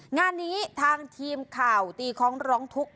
งานนี้ทางทีมข่าวตีคล้องร้องทุกข์